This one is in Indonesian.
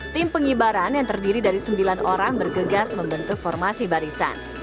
tim pengibaran yang terdiri dari sembilan orang bergegas membentuk formasi barisan